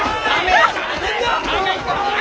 おい！